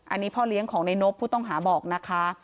อันนี้พ่อเลี้ยงของในนบผู้ต้องหาบอกนะคะ